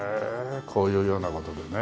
こういうような事でね。